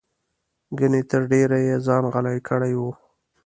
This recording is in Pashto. ګنې تر ډېره یې ځان غلی کړی و.